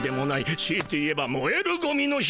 しいて言えばもえるゴミの日。